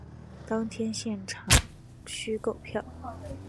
当天现场须购票